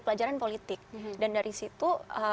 pelajaran politik dan dari situ